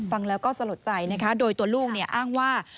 ฟังแล้วก็สะหรับใจนะฮะโดยตัวลูกเนี่ยอ้างว่า